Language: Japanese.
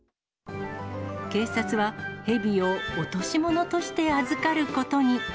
警察はヘビを落とし物として預かることに。